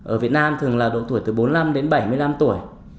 ở việt nam thường là độ tuổi từ bốn mươi năm đến bảy mươi năm tuổi